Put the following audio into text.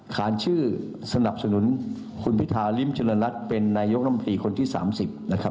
ขานชื่อสนับสนุนคุณพิธาริมเจริญรัฐเป็นนายกรมตรีคนที่๓๐นะครับ